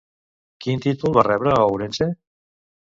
Quin títol va rebre a Ourense?